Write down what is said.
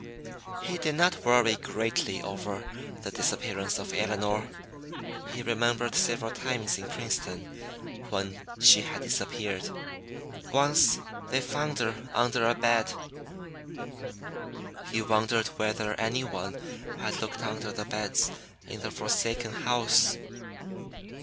He did not worry greatly over the disappearance of Elinor. He remembered several times in Princeton when she had disappeared. Once they found her under a bed. He wondered whether anyone had looked under the beds in the forsaken house.